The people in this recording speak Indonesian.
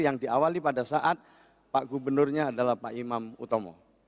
yang diawali pada saat pak gubernurnya adalah pak imam utomo